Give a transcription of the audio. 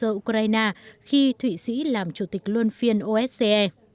và điều phối thuộc bộ ngoại giao thụy sĩ làm chủ tịch luân phiên oosce